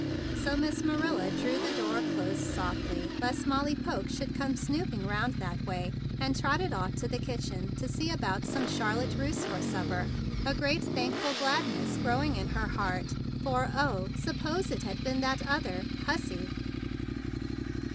So Miss Marilla drew the door to softly lest Molly Poke should come snooping round that way, and trotted off to the kitchen to see about some char¬ lotte russe for supper, a great thankful gladness growing in her heart, for—oh! suppose it had been that other—hussy!